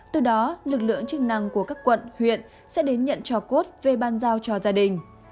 từ đó lực lượng chức năng của các quận huyện sẽ đến nhận cho cốt về ban giao cho gia đình